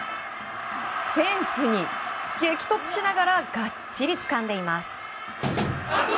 フェンスに激突しながらがっちりつかんでいます。